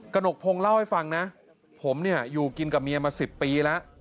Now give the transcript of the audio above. หนกพงศ์เล่าให้ฟังนะผมเนี่ยอยู่กินกับเมียมา๑๐ปีแล้ว